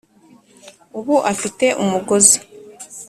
ubu afite umugozi.